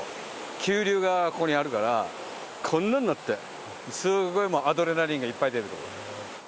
急流がここにあるから、こんなんなって、もうすっごいアドレナリンがいっぱい出る所。